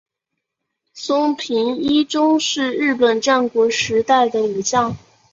松平伊忠是日本战国时代的武将。